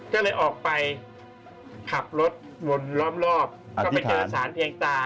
ก็เลยออกไปขับรถวนล้อมรอบก็ไปเจอสารเพียงตา